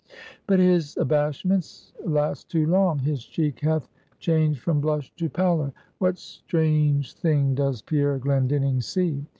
But his abashments last too long; his cheek hath changed from blush to pallor; what strange thing does Pierre Glendinning see?